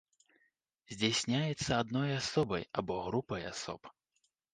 Здзяйсняецца адной асобай або групай асоб.